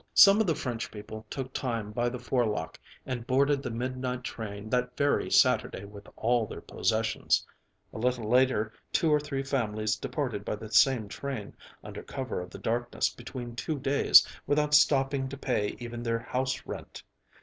Some of the French people took time by the forelock and boarded the midnight train that very Saturday with all their possessions. A little later two or three families departed by the same train, under cover of the darkness between two days, without stopping to pay even their house rent.